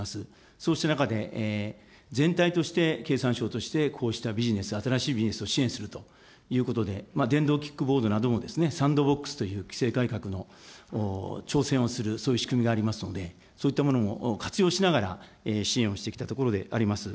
そうした中で、全体として、経産省として、こうしたビジネス、新しいビジネスを支援するということで、電動キックボードなどもですね、サンドボックスという規制改革の挑戦をする、そういう仕組みがありますので、そういったものも活用しながら、支援をしてきたところであります。